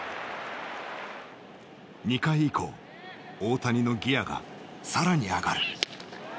２回以降大谷のギアが更に上がる。